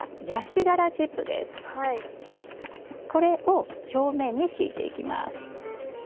こちらはこれを表面に敷いていきます。